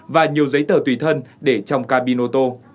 và nhiều giấy tờ tùy thân để trong cabin ô tô